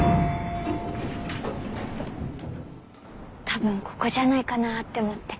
多分ここじゃないかなって思って。